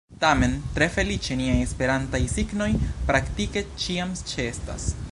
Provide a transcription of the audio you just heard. Tamen, tre feliĉe niaj esperantaj signoj praktike ĉiam ĉeestas.